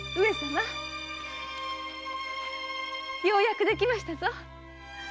ようやくできましたぞ。